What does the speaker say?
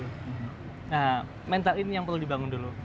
nah mental ini yang perlu dibangun dulu